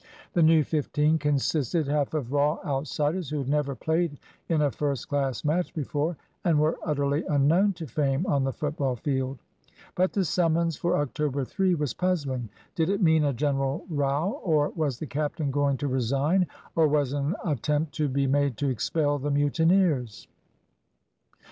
The new fifteen consisted half of raw outsiders who had never played in a first class match before, and were utterly unknown to fame on the football field. But the summons for October 3 was puzzling. Did it mean a general row, or was the captain going to resign, or was an attempt to be made to expel the mutineers?